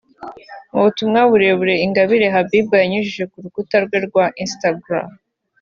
Mu butumwa burebure Ingabire Habibah yanyujije ku rukuta rwe rwa instagra